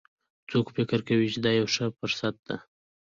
څوک فکر کوي چې دا یوه ښه فرصت ده